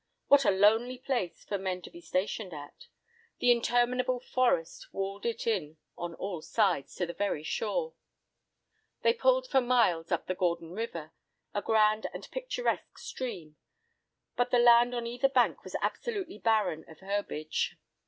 What a lonely place for men to be stationed at! The interminable forest walled it in on all sides, to the very shore. They pulled for miles up the Gordon River, a grand and picturesque stream, but the land on either bank was absolutely barren of herbage.